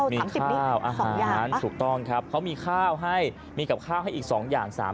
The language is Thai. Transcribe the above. มีข้าวอาหารถูกต้องครับเขามีข้าวให้มีกับข้าวให้อีก๒อย่าง